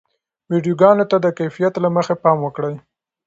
ویډیوګانو ته د کیفیت له مخې پام وکړئ.